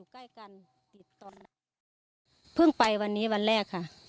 ก็ต้องไปวันนี้วันแรกค่ะ